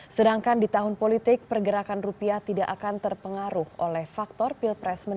sedangkan di tahun politik pergerakan rupiah tidak akan terpengaruh oleh faktor pilpres mendatang